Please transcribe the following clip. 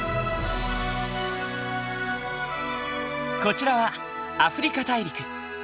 こちらはアフリカ大陸。